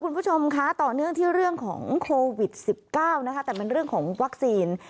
คุณผู้ชมคะต่อเนื่องที่เรื่องของโควิด๑๙นะคะแต่มันเรื่องของวัคซีน